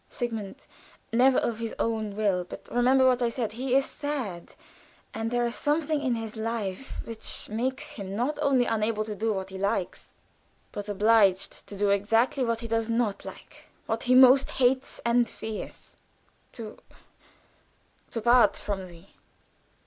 "Sigmund never of his own will. But remember what I said, that he is sad, and there is something in his life which makes him not only unable to do what he likes, but obliged to do exactly what he does not like what he most hates and fears to to part from thee."